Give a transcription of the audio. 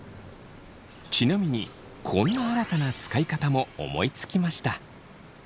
ちなみにこんな新たな使い方も思いつきました。